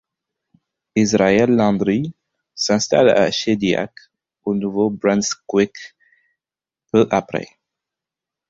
Israël Landry s'installe à Shédiac, au Nouveau-Brunswick, peu après.